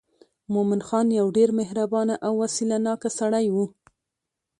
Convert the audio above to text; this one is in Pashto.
مومن خان یو ډېر مهربانه او وسیله ناکه سړی و.